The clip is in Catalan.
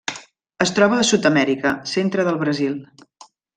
Es troba a Sud-amèrica: centre del Brasil.